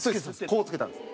こうつけたんです。